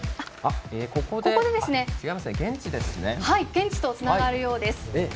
現地とつながるようです。